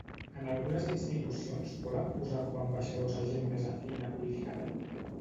En algunes institucions poden posar com a ambaixadors a gent més afina políticament?